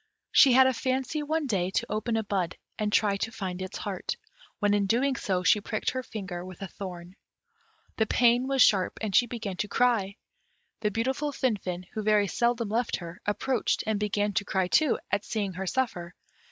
She had a fancy one day to open a bud, and try to find its heart, when in so doing she pricked her finger with a thorn. The pain was sharp, and she began to cry; the beautiful Finfin, who very seldom left her, approached, and began to cry too, at seeing her suffer.